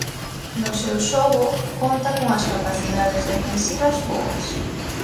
No seu xogo conta cunhas capacidades defensivas boas